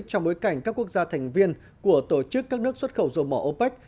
trong bối cảnh các quốc gia thành viên của tổ chức các nước xuất khẩu dầu mỏ opec